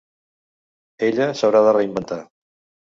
Ella s’haurà de reinventar.